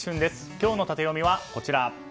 今日のタテヨミはこちら。